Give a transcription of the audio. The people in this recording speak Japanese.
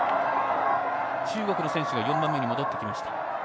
中国の選手が４番目に戻ってきました。